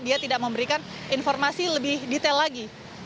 dia tidak memberikan informasi lebih detail lagi